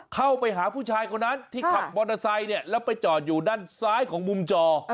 เข้าไปหาผู้ชายคนนั้นที่ขับมอเตอร์ไซค์เนี่ยแล้วไปจอดอยู่ด้านซ้ายของมุมจอ